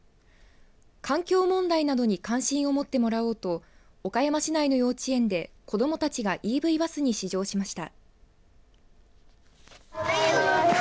環境問題などに関心を持ってもらおうと岡山市内の幼稚園で子どもたちがＥＶバスに試乗しました。